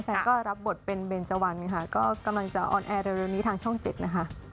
แฟนก็รับบทเป็นเบนเจวันค่ะก็กำลังจะออนแอร์เร็วนี้ทางช่อง๗นะคะ